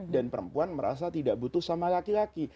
dan perempuan merasa tidak butuh sama laki laki